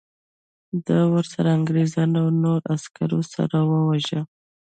د ورسره انګریزانو او نورو عسکرو سره وواژه.